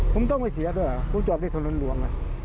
ผมต้องไปเสียด้วยเหรอผมจอดในถนนหลวง